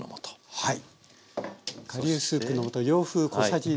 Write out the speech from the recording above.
はい。